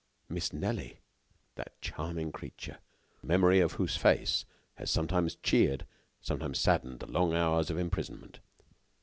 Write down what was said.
Miss Nelly! that charming creature, the memory of whose face had sometimes cheered, sometimes saddened the long hours of imprisonment.